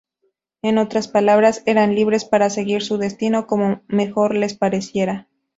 En otras palabras, eran libres para seguir su destino como mejor les pareciera.